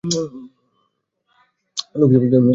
এটি এক প্রকার লোকশিল্প যা মেয়েলি শিল্প নামেও পরিচিত।